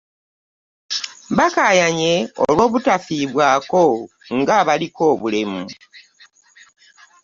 Bakayanye olwobutafiibwako nga abaliko obulemu .